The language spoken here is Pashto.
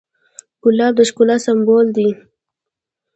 ګلاب د ښکلا سمبول دی.